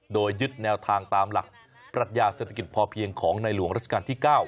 โดยยึดแนวทางตามหลักปรัชญาเศรษฐกิจพอเพียงของในหลวงราชการที่๙